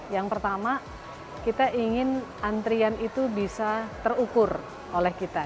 yang pertama kita ingin antrian itu bisa terukur oleh kita